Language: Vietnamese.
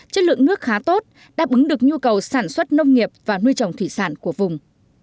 chất lượng nước khá tốt đáp ứng được nhu cầu sản xuất nông nghiệp và nuôi trồng thủy sản của vùng